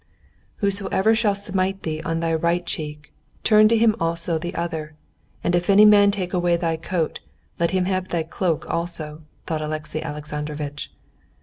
"Whosoever shall smite thee on thy right cheek, turn to him the other also; and if any man take away thy coat, let him have thy cloak also," thought Alexey Alexandrovitch.